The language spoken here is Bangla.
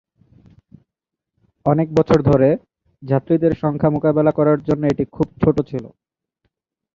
অনেক বছর ধরে, যাত্রীদের সংখ্যা মোকাবেলা করার জন্য এটি খুব ছোট ছিল।